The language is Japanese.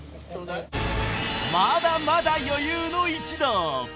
まだまだ余裕の一同